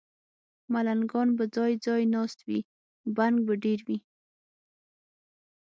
ملنګان به ځای، ځای ناست وي، بنګ به ډېر وي